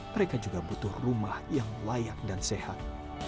mereka juga butuh rumah yang layak dan sehat